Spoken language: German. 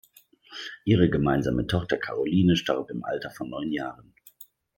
Ihre gemeinsame Tochter Karoline starb im Alter von neun Jahren.